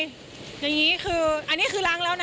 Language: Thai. อย่างนี้คืออันนี้คือล้างแล้วนะ